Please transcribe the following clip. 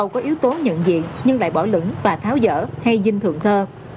tố tố nhận diện nhưng lại bỏ lửng và tháo dở hay dinh thượng thơ